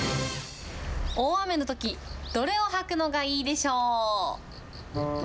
大雨のとき、どれを履くのがいいでしょう。